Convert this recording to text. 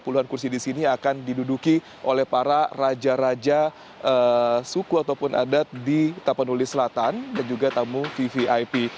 puluhan kursi di sini akan diduduki oleh para raja raja suku ataupun adat di tapanuli selatan dan juga tamu vvip